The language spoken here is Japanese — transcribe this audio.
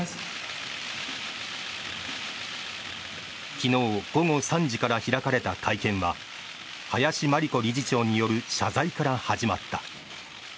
昨日午後３時から開かれた会見は林真理子理事長による謝罪から始まった。